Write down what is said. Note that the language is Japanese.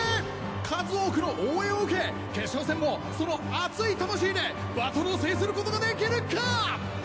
数多くの応援を受け決勝戦もその熱いバトルを制することができるか！